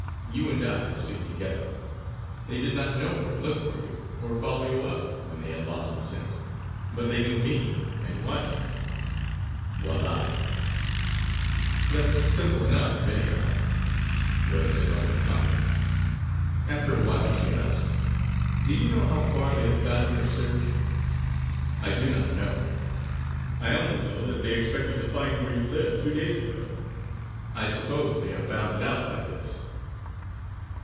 You and I were seen together. They did not know where to look for you or follow you up, when they had lost the scent; but they knew me and watched me. Voila!" "That's simple enough anyhow!" was her only comment. After a while she asked: "Do you know how far they have got in their search?" "I do not; I only know that they expected to find where you lived two days ago. I suppose they have found it out by this."